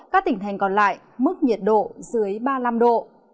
các tỉnh thành còn lại mức nhiệt độ dưới ba mươi năm độ